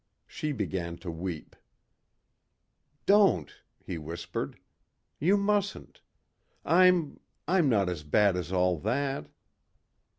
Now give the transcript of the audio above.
She began to weep. "Don't," he whispered. "You mustn't. I'm ... I'm not as bad as all that."